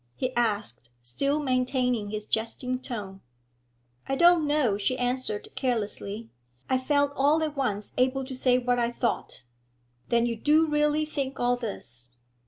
he asked, still maintaining his jesting tone. 'I don't know,' she answered carelessly. 'I felt all at once able to say what I thought.' 'Then you do really think all this?'